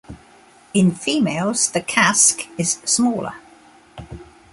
In females, the casque is smaller.